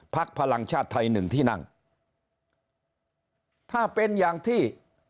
พลังชาติไทยหนึ่งที่นั่งถ้าเป็นอย่างที่